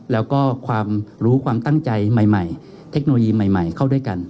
แล้วก็ความรู้ความตั้งใจใหม่เทคโนโลยีใหม่เข้าด้วยกัน